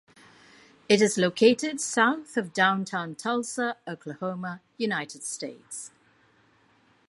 It is located south of downtown Tulsa, Oklahoma, United States.